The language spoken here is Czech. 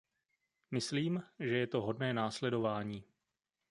Myslím, že je to hodné následování.